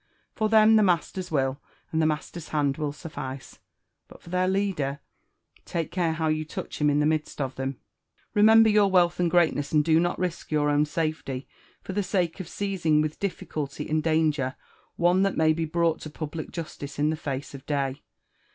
For them, the master's will, and the master's hand will suffice;— but for their leader; — take care how you touch him in the midst of them !— Remember your wealth and greatneiss, and do not risk your own safety for the sake of seizing with difficulty and danger one that may be brought to public justice in the lace of day.